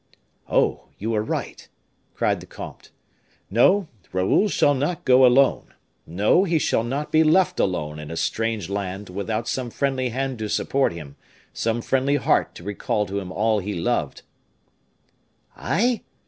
"Oh! you are right!" cried the comte. "No, Raoul shall not go alone; no, he shall not be left alone in a strange land without some friendly hand to support him, some friendly heart to recall to him all he loved!" "I?"